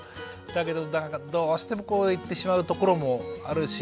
だけどどうしてもこう言ってしまうところもあるし。